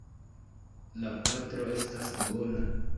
La patro estas bona.